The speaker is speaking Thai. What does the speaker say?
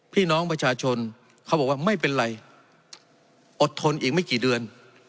พี่น้องประชาชนเขาบอกว่าไม่เป็นไรอดทนอีกไม่กี่เดือน